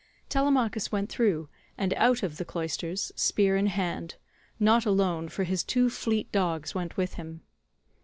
Telemachus went through, and out of, the cloisters spear in hand—not alone, for his two fleet dogs went with him.